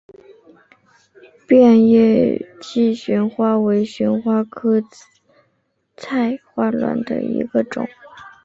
变叶姬旋花为旋花科菜栾藤属下的一个种。